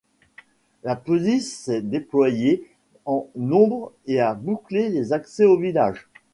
La police s'est déployée en nombre et a bouclé les accès au village.